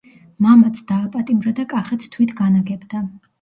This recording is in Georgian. მამაც დააპატიმრა და კახეთს თვით განაგებდა.